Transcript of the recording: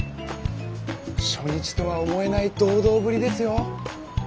初日とは思えない堂々ぶりですよ。